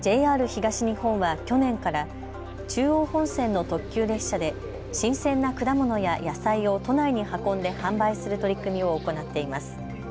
ＪＲ東日本は去年から中央本線の特急列車で新鮮な果物や野菜を都内に運んで販売する取り組みを行っています。